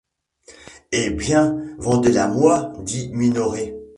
Eh ! bien, vendez-la-moi, dit Minoret.